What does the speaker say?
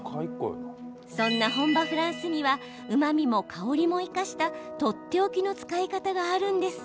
そんな本場フランスにはうまみも、香りも生かしたとっておきの使い方があるんです。